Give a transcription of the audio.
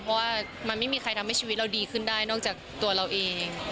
เพราะว่ามันไม่มีใครทำให้ชีวิตเราดีขึ้นได้นอกจากตัวเราเอง